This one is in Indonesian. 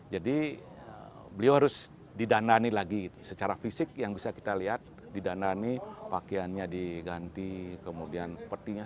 jadi beliau harus didandani lagi secara fisik yang bisa kita lihat didandani pakaiannya diganti kemudian petinya